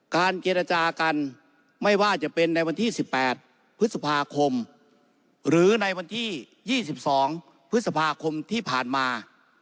การเจรจากันไม่ว่าจะเป็นในวันที่๑๘พฤษภาคมหรือในวันที่๒๒พฤษภาคมที่ผ่านมา